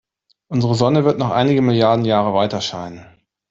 Unsere Sonne wird noch einige Milliarden Jahre weiterscheinen.